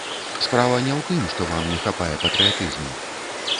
Справа не ў тым, што вам не хапае патрыятызму.